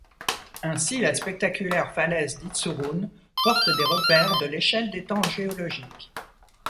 Ainsi la spectaculaire falaise d'Itzurun porte des repères de l'Échelle des temps géologiques.